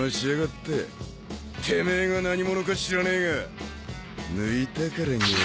てめえが何者か知らねえが抜いたからには。